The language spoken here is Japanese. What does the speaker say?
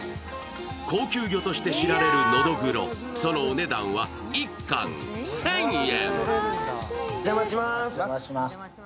高級魚として知られるノドグロ、そのお値段は１貫１０００円。